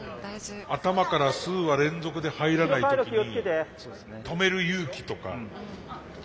頭から数羽連続で入らない時に止める勇気とか。